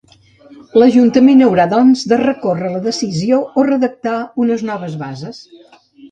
L'Ajuntament haurà, doncs, de recórrer la decisió o redactar unes noves bases.